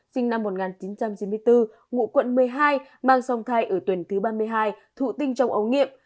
sinh năm một nghìn chín trăm chín mươi bốn ngụ quận một mươi hai mang song thai ở tuần thứ ba mươi hai thụ tinh trong ống nghiệm